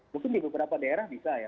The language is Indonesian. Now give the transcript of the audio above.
mungkin di beberapa daerah bisa ya